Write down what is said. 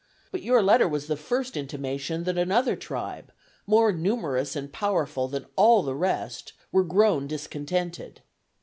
But your letter was the first intimation that another tribe, more numerous and powerful than all the rest, were grown discontented.